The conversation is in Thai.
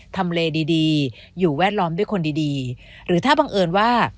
ทำเลดีดีอยู่แวดล้อมด้วยคนดีดีหรือถ้าบังเอิญว่า